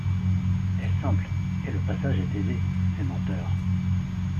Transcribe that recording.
Est simple, et le passage est aisé, ces menteurs !